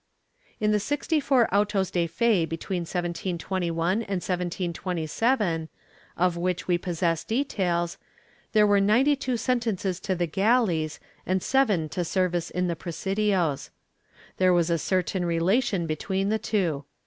'' In the sixty four autos de fe between 1721 and 1727, of which we possess details, there were ninety two sentences to the galleys and seven to service in the presidios. There was a certain rela tion between the two.